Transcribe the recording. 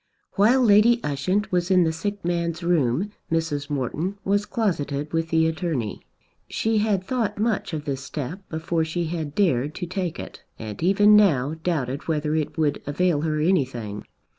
While Lady Ushant was in the sick man's room, Mrs. Morton was closeted with the attorney. She had thought much of this step before she had dared to take it and even now doubted whether it would avail her anything.